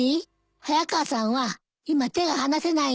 早川さんは今手が放せないの。